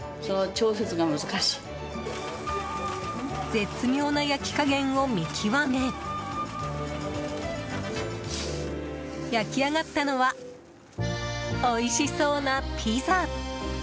絶妙な焼き加減を見極め焼き上がったのはおいしそうなピザ。